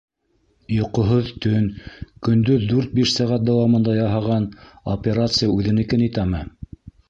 Йоҡоһоҙ төн, көндөҙ дүрт-биш сәғәт дауамында яһаған операция үҙенекен итәме?